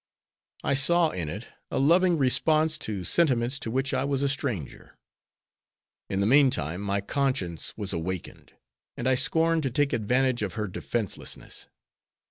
I saw in it a loving response to sentiments to which I was a stranger. In the meantime my conscience was awakened, and I scorned to take advantage of her defenselessness.